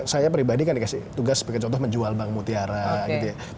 saya pribadi kan dikasih tugas sebagai contoh menjual bank mutiara gitu ya